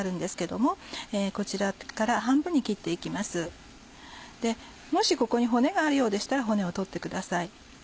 もしここに骨があるようでしたら骨を取ってください。